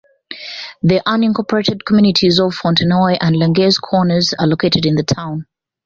The unincorporated communities of Fontenoy and Langes Corners are located in the town.